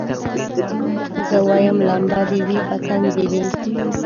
زه وايم لمبه دي وي پتنګ دي وي